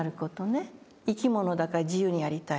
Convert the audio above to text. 生き物だから自由にやりたい。